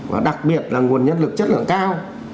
và đặc biệt là nguồn nhân lực chất lượng cao